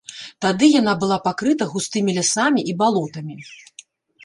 Тады яна была пакрыта густымі лясамі і балотамі.